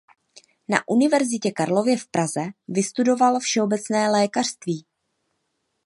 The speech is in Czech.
Na Univerzitě Karlově v Praze vystudoval všeobecné lékařství.